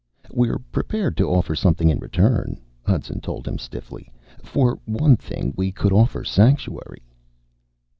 "We're prepared to offer something in return," Hudson told him stiffly. "For one thing, we could offer sanctuary."